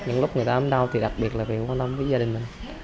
những lúc người ta đau thì đặc biệt là quan tâm tới gia đình mình